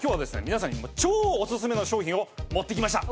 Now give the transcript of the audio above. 皆さんに超おすすめの商品を持ってきました。